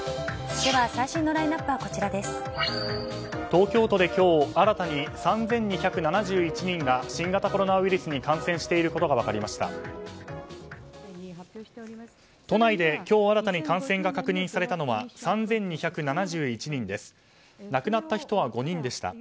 東京都で今日新たに３２７１人が新型コロナウイルスに感染していることが分かりました。